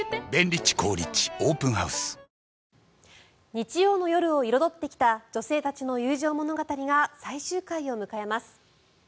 日曜の夜を彩ってきた女性たちの友情物語が最終回を迎えます。